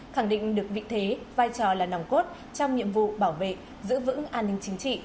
khẳng định được vị thế vai trò là nòng cốt trong nhiệm vụ bảo vệ giữ vững an ninh chính trị